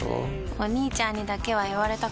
お兄ちゃんにだけは言われたくないし。